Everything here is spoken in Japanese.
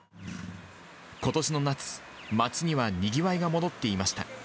ことしの夏、街にはにぎわいが戻っていました。